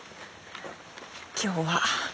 今日は。